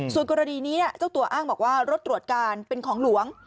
ส่วนกรณีนี้เจ้าตัวอ้างบอกว่ารถตรวจการเป็นของหลวง